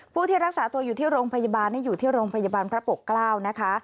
ที่รักษาตัวอยู่ที่โรงพยาบาลนี่อยู่ที่โรงพยาบาลพระปกเกล้านะคะ